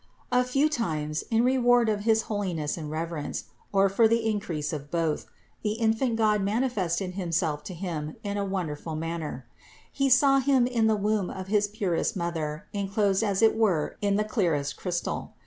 A few times, in reward of his holiness and reverence, or for the increase of both, the infant God manifested Himself to him in a wonderful manner: he saw Him in the womb of his purest Mother enclosed as it were in the clearest crystal.